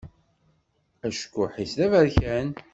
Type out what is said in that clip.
Acekkuḥ-is d aberkan.